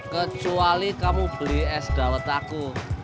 kecuali kamu beli es dawet aku